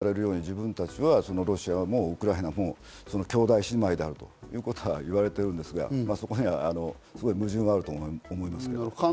プーチンさんが言われるように自分たちはロシアもウクライナも兄弟姉妹であるということはよく言われているんですが、そこには矛盾があると思いますけど。